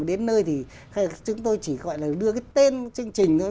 đến nơi thì chúng tôi chỉ gọi là đưa cái tên chương trình thôi